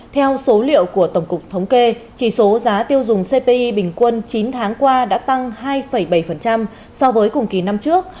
theo số liệu của tổng cục thống kê chỉ số giá tiêu dùng cpi bình quân chín tháng qua đã tăng hai bảy so với cùng kỳ năm trước